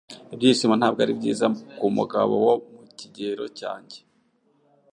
Ibyishimo ntabwo ari byiza kumugabo wo mu kigero cyanjye